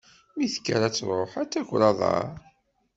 Mi tekker ad truḥ, ad taker aḍar.